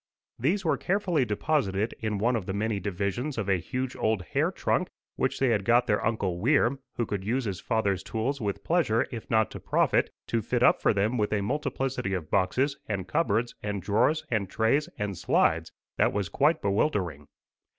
These were carefully deposited in one of the many divisions of a huge old hair trunk, which they had got their uncle Weir, who could use his father's tools with pleasure if not to profit, to fit up for them with a multiplicity of boxes, and cupboards, and drawers, and trays, and slides, that was quite bewildering.